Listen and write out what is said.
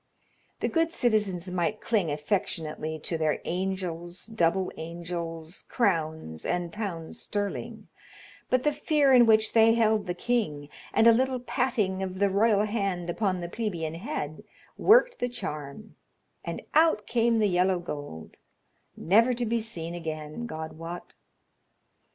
The good citizens might cling affectionately to their angels, double angels, crowns and pounds sterling, but the fear in which they held the king, and a little patting of the royal hand upon the plebeian head, worked the charm, and out came the yellow gold, never to be seen again, God wot.